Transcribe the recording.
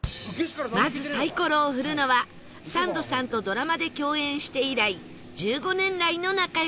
まずサイコロを振るのはサンドさんとドラマで共演して以来１５年来の仲良し